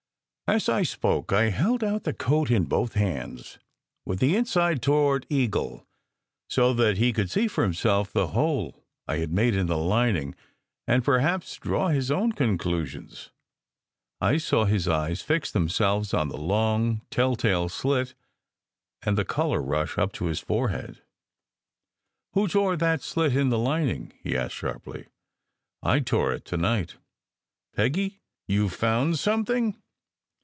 As I spoke I held out the coat in both hands, with the in side toward Eagle, so that he could see for himself the hole I had made in the lining, and perhaps draw his own con clusions. I saw his eyes fix themselves on the long, tell tale slit and the colour rush up to his forehead. "Who tore that slit in the lining? " he asked sharply. "I tore it to night!" "Peggy! ... You found something?"